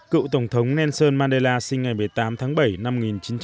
cựu tổng thống nelson mandela sinh ngày một mươi tám tháng bảy năm một nghìn chín trăm chín mươi